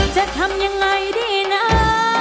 จะทำยังไงดีนะ